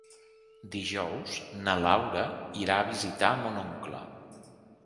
Dijous na Laura irà a visitar mon oncle.